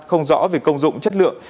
không rõ về công dụng chất lượng